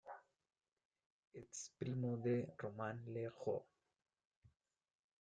Es primo de Romain Le Roux.